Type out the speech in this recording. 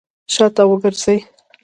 شاته وګرځئ!